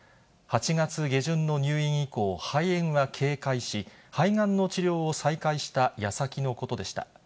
８月下旬の入院以降、肺炎は軽快し、肺がんの治療を再開したやさきのことでした。